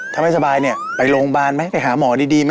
ถ้าไม่สบายเนี่ยไปโรงพยาบาลไหมไปหาหมอดีไหม